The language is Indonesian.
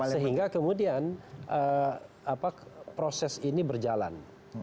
sehingga kemudian proses ini berjalan